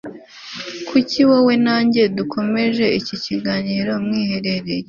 kuki wowe na njye dukomeje iki kiganiro mwiherereye